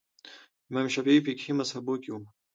امام شافعي فقهي مذهبونو کې وو